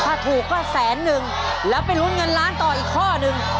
ถ้าถูกก็แสนนึงแล้วไปลุ้นเงินล้านต่ออีกข้อหนึ่ง